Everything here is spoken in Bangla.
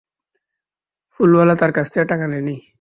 ফুল ওলা তার কাছ থেকে টাকা নেয় না!